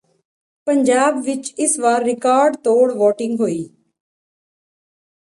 ਪੰਜਾਬ ਵਿਚ ਇਸ ਵਾਰ ਰਿਕਾਰਡ ਤੋੜ ਵੋਟਿੰਗ ਹੋਈ